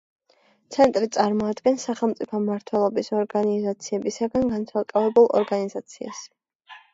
ცენტრი წარმოადგენს სახელმწიფო მმართველობის ორგანოებისაგან განცალკევებულ ორგანიზაციას.